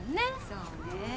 そうねえ。